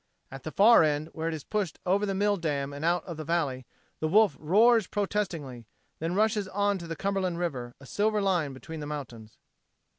At the far end where it is pushed over the mill dam and out of the valley, the Wolf roars protestingly; then rushes on to the Cumberland River a silver line between the mountains.